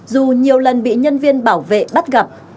dù nhiều lần bị nhân viên bảo vệ bắt gặp